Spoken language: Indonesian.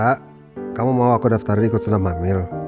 sa kamu mau aku daftarin ikut senam hamil